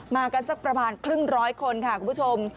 มากันสักประมาณครึ่งร้อยคนค่ะคุณผู้ชม